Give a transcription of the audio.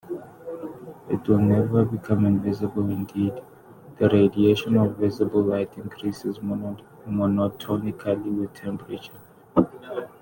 It will never become invisible-indeed, the radiation of visible light increases monotonically with temperature.